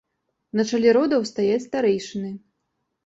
На чале родаў стаяць старэйшыны.